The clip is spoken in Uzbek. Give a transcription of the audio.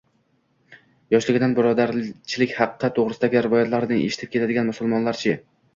– yoshligidan birodarchilik haqqi to‘g‘risidagi rivoyatlarni eshitib keladigan musulmonlar-chi?